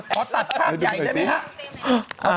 ขอตัดภาพใหญ่ได้ไหมครับ